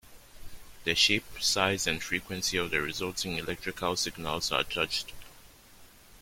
The shape, size, and frequency of the resulting electrical signals are judged.